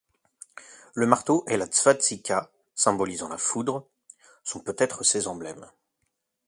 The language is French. Le marteau et la svastika, symbolisant la foudre, sont peut-être ses emblèmes.